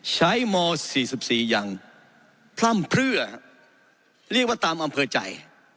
ม๔๔อย่างพร่ำเพลือเรียกว่าตามอำเภอใจ